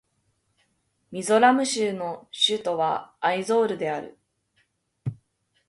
ミゾラム州の州都はアイゾールである